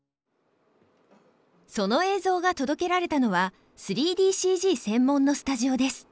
その映像が届けられたのは３ＤＣＧ専門のスタジオです。